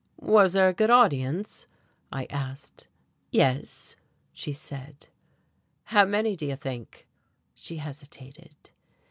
"Was there a good audience?" I asked. "Yes," she said. "How many do you think?" She hesitated.